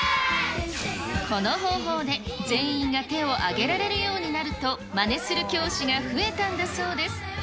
この方法で全員が手を挙げられるようになると、まねする教師が増えたんだそうです。